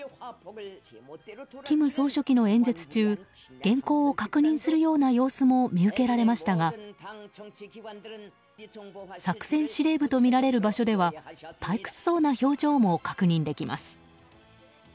金総書記の演説中原稿を確認するような様子も見受けられましたが作戦司令部とみられる場所では退屈そうな表情も確認できます。